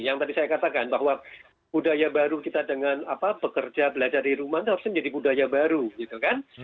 yang tadi saya katakan bahwa budaya baru kita dengan bekerja belajar di rumah itu harusnya menjadi budaya baru gitu kan